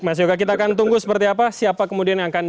mas yoga kita akan tunggu seperti apa siapa kemudian yang akan